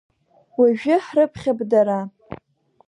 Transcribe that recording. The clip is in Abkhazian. Уажәы ҳрыԥхьап дара.